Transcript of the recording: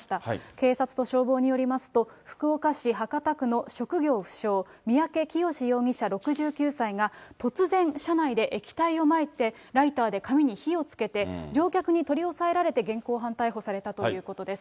警察と消防によりますと、福岡市博多区の職業不詳、三宅潔容疑者６９歳が、突然、車内で液体をまいて、ライターで紙に火をつけて、乗客に取り押さえられて、現行犯逮捕されたということです。